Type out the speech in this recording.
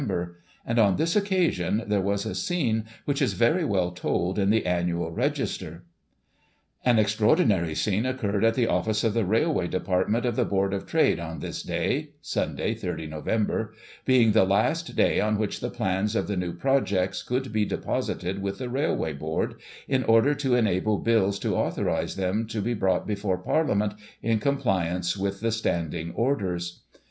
and, on this occasion, there was a scene, which is very well told in the Annual Register :" An extraordinary scene occurred at the office of the Rail way Department of the Board of Trade on this day (Sunday, 30 Nov.), being the last day on which the plans of the new projects could be deposited with the Railway Board, in order to enable Bills to authorise them to be brought before Par liament, in compliance with the Standing Orders.